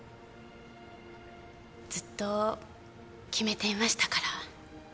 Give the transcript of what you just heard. ずっと決めていましたから。